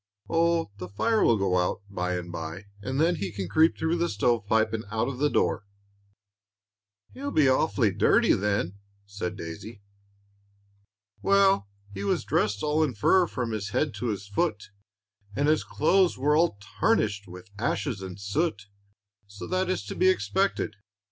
"Oh, the fire will go out by and by, and then he may creep through the stove pipe and out of the door." "He'll be awful dirty, then," said Daisy. "Well, 'he was dressed all in fur from his head to his foot, and his clothes were all tarnished with ashes and soot,' so that is to be expected.